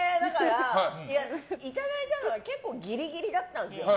いただいたのが結構ギリギリだったんですよ。